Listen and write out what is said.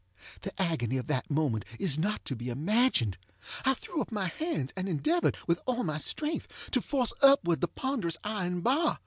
The agony of that moment is not to be imagined. I threw up my hands and endeavored, with all my strength, to force upward the ponderous iron bar.